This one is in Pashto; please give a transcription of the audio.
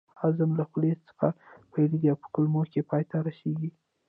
هاضمه له خولې څخه پیلیږي او په کولمو کې پای ته رسیږي